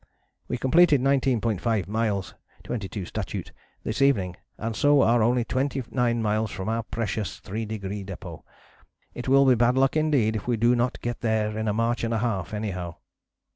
We completed 19.5 miles [22 statute] this evening, and so are only 29 miles from our precious [Three Degree] Depôt. It will be bad luck indeed if we do not get there in a march and a half anyhow."